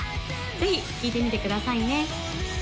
ぜひ聴いてみてくださいね